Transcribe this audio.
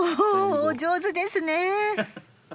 お上手ですねぇ！